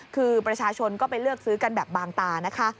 คือประชาชนก็ไปเลือกซื้อกันแบบบางตานะคะ